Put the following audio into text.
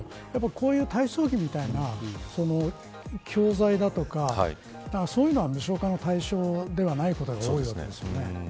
こういう体操着みたいな教材だとかそういうのは無償化の対象ではないことが多いですよね。